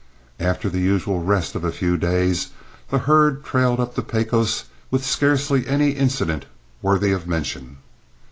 After the usual rest of a few days, the herd trailed up the Pecos with scarcely an incident worthy of mention.